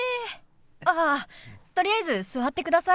あっとりあえず座ってください。